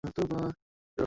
তোর শ্বাস ছুটে গেছে!